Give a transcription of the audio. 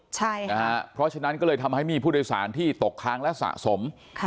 เพราะฉะนั้นก็เลยทำให้มีผู้โดยสารที่ตกค้างและสะสม